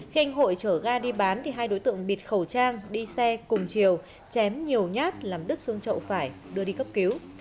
khi anh hội chở ga đi bán thì hai đối tượng bịt khẩu trang đi xe cùng chiều chém nhiều nhát làm đứt xương trậu phải đưa đi cấp cứu